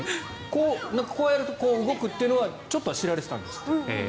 こうやると動くというのはちょっとは知られていたんですって。